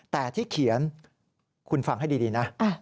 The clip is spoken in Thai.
แต่ที่เขียนคุณฟังให้ดีนะ